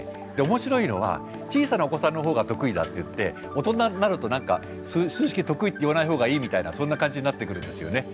面白いのは小さなお子さんの方が得意だっていって大人になると何か数式得意っていわない方がいいみたいなそんな感じになってくるんですよね。